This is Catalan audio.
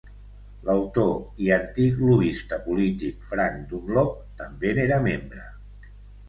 L'autor i antic lobbista polític Frank Dunlop també n'era membre.